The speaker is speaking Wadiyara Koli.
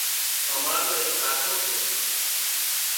امرو ايڪ ڪاڪو سي